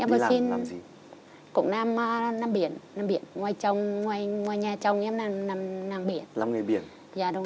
em có xin cũng làm biển biển ngoài trong ngoài ngôi nhà chồng em nằm biển là người biển là đúng